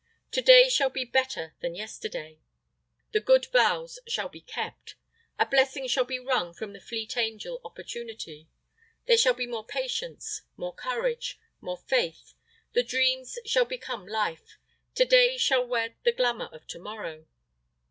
To day shall be better than yesterday. The good vows shall be kept. A blessing shall be wrung from the fleet angel Opportunity. There shall be more patience, more courage, more faith; the dream shall become life; to day shall wear the glamour of to morrow.